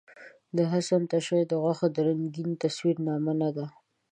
حسن تش د غوښو د رنګین تصویر نامه نۀ ده.